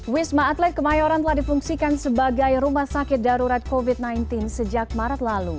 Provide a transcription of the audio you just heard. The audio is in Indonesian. wisma atlet kemayoran telah difungsikan sebagai rumah sakit darurat covid sembilan belas sejak maret lalu